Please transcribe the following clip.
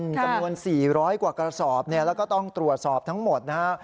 จำนวน๔๐๐กว่ากระสอบเนี่ยแล้วก็ต้องตรวจสอบทั้งหมดนะฮะ